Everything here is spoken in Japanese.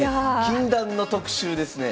禁断の特集ですね。